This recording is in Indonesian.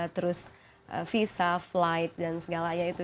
terus visa flight dan segalanya itu